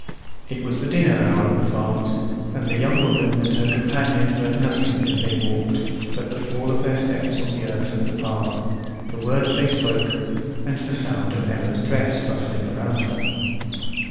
It was the dinner hour at the farms, and the young woman and her companion heard nothing as they walked but the fall of their steps on the earth of the path, the words they spoke, and the sound of Emma's dress rustling round her.